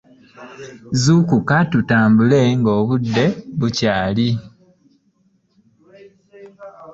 Zuukuka tutambule ng'obudde bukyali.